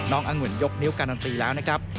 อังุ่นยกนิ้วการันตีแล้วนะครับ